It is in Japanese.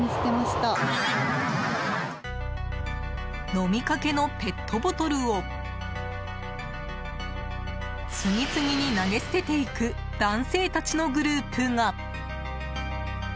飲みかけのペットボトルを次々に投げ捨てていく男性達のグループが。